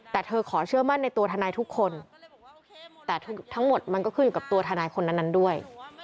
แต่เธอขอเชื่อมั่นในตัวทนายทุกคนแต่ทั้งหมดมันก็ขึ้นอยู่กับตัวทนายคนนั้นด้วย